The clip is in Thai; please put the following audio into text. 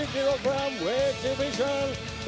๓กิโลกรัมเวทย์ดิวิชัน